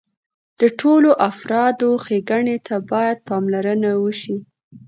د ټولو افرادو ښېګڼې ته باید پاملرنه وشي.